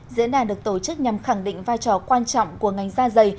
diễn đàn được tổ chức nhằm khẳng định vai trò quan trọng của ngành gia giày